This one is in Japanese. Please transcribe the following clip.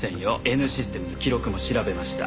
Ｎシステムで記録も調べました。